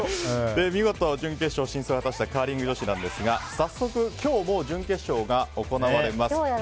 見事、準決勝進出を果たしたカーリング女子なんですが早速、今日もう準決勝が行われます。